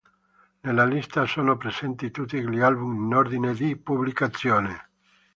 Nella lista sono presenti tutti gli album in ordine di pubblicazione.